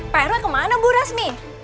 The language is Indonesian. pak rue kemana bu resmi